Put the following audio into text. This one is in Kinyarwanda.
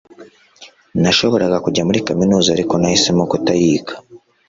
Nashoboraga kujya muri kaminuza ariko nahisemo kutayiga